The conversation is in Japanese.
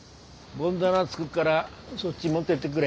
盆棚作っからそっち持っててくれ。